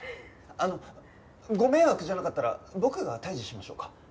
あのご迷惑じゃなかったら僕が退治しましょうか？